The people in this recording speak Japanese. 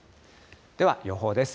では予報です。